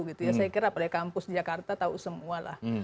saya kira apalagi kampus di jakarta tahu semua